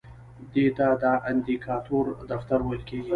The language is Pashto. دې ته د اندیکاتور دفتر ویل کیږي.